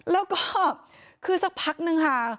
แล้วก็คือสักพักนึงค่ะ